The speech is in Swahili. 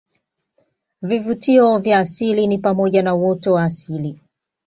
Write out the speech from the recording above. Vivutio vya asili ni pamoja na uoto wa asili